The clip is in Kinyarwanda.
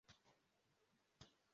Abakozi batatu bambaye ingofero